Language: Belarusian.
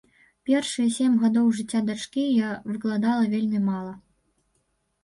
Першыя сем гадоў жыцця дачкі я выкладала вельмі мала.